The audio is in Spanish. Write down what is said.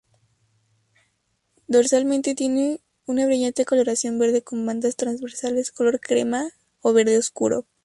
Dorsalmente tiene una brillante coloración verde con bandas transversales color crema o verde oscuro.